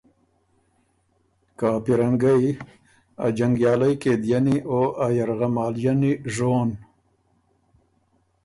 که ا پیرنګئ، ا جنګیالئ قېدئنی او ا یرغمالئنی ژون